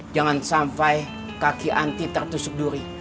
jangan sampai kaki anti tertusuk duri